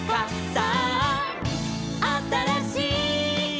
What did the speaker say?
「さああたらしい」